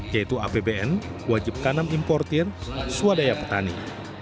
yaitu apbn wajib tanam importir swadaya petani